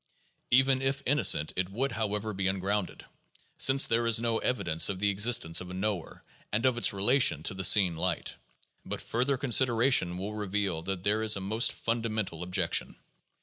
Even if innocent, it would, however, be ungrounded, since there is no evi dence of the existence of a knower, and of its relation to the seen light. But further consideration will reveal that there is a most fundamental objection.